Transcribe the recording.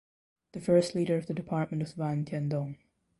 The first leader of the Department was Van Tien Dung.